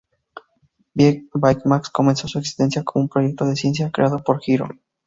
Baymax comenzó su existencia como un proyecto de ciencia creado por Hiro.